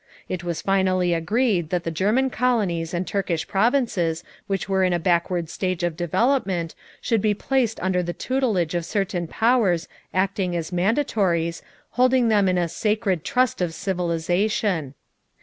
It was finally agreed that the German colonies and Turkish provinces which were in a backward stage of development should be placed under the tutelage of certain powers acting as "mandatories" holding them in "a sacred trust of civilization."